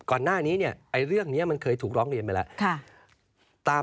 ก่อนหน้านี้เนี่ยเรื่องนี้มันเคยถูกร้องเรียนไปแล้ว